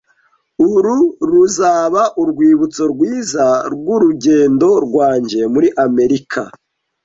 Uru ruzaba urwibutso rwiza rwurugendo rwanjye muri Amerika